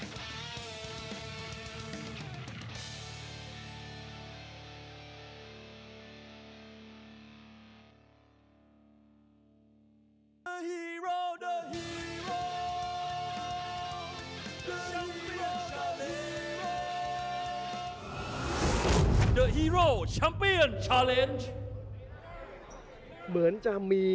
โต๊ะยี่เทอดี